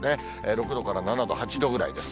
６度から７度、８度ぐらいです。